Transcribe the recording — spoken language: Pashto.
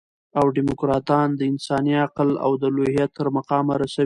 او ډيموکراټان د انساني عقل او د الوهیت تر مقامه رسوي.